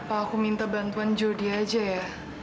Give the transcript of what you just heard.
aku minta bantuan jody aja ya